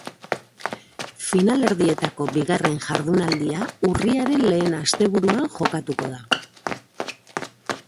Finalerdietako bigarren jardunaldia urriaren lehen asteburuan jokatuko da.